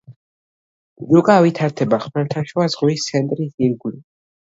რუკა ვითარდება ხმელთაშუა ზღვის ცენტრის ირგვლივ.